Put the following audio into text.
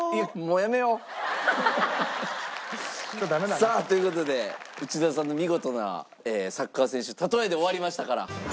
さあという事で内田さんの見事なサッカー選手例えで終わりましたから。